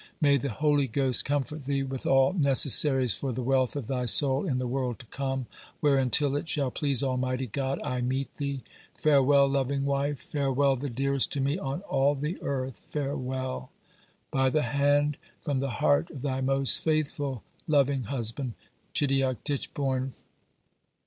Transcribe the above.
May the Holy Ghost comfort thee with all necessaries for the wealth of thy soul in the world to come, where, until it shall please almighty God I meete thee, farewell lovinge wife, farewell the dearest to me on all the earth, farewell! "By the hand from the heart of thy most faithful louinge husband, "CHIDEOCK TICHEBURN."